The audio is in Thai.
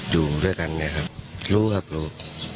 อยู่ด้วยกันเนี่ยครับรู้ครับรู้